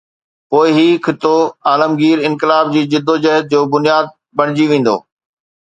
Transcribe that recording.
پوءِ هي خطو عالمگير انقلاب جي جدوجهد جو بنياد بڻجي ويندو.